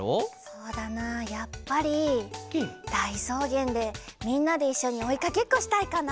そうだなやっぱりだいそうげんでみんなでいっしょにおいかけっこしたいかな。